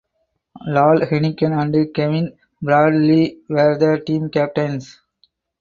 Lal Heneghan and Kevin Bradley were the team captains.